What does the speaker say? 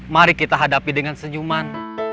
mari kita hadapi dengan senyuman